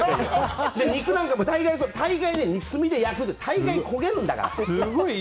肉なんかも大概、炭で焼くと大概焦げるんだから。